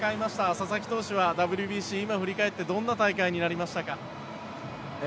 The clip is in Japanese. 佐々木投手はＷＢＣ、今振り返ってどんな大会になりましたか？